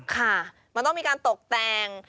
ค่ะมันต้องมีการตกแต่ง